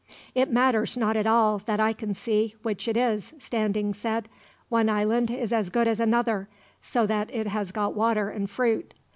"It matters not at all, that I can see, which it is," Standing said. "One island is as good as another, so that it has got water and fruit.